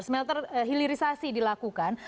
smelter hilirisasi dilakukan